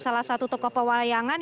salah satu tokoh pewarian